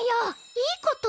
いいこと？